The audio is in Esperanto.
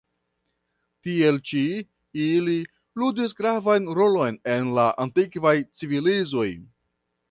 Tiel ĉi, ili ludis gravan rolon en la antikvaj civilizoj.